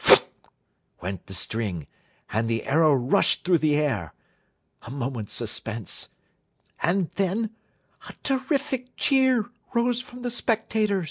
"Phut!" went the string, and the arrow rushed through the air. A moment's suspense, and then a terrific cheer rose from the spectators.